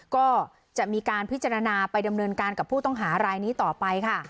ก็จะมีการพิจารณาไปดำเนินการกับผู้ต้องหารายนี้ต่อไปค่ะ